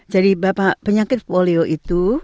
jadi bapak penyakit polio itu